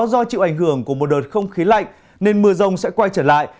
do chịu ảnh hưởng của một đợt không khí lạnh nên mưa rông sẽ quay trở lại